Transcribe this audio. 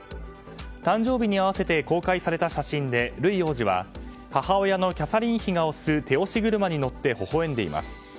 誕生日に合わせて公開された写真でルイ王子は母親のキャサリン妃が押す手押し車に乗ってほほ笑んでいます。